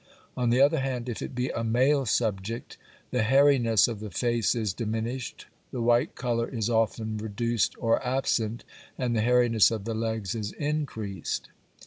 On the other hand, if it be a male subject, the hairiness of the face is diminished, the white colour is often reduced or absent, and the hairiness of the legs is increased.